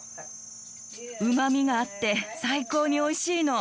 うまみがあって最高においしいの。